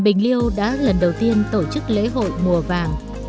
và tôi đã lần đầu tiên tổ chức lễ hội mùa vàng